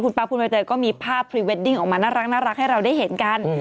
ป๊าคุณใบเตยก็มีภาพพรีเวดดิ้งออกมาน่ารักให้เราได้เห็นกัน